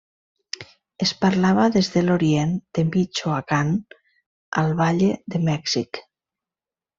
Es parlava des de l'orient de Michoacán, al Valle de Mèxic.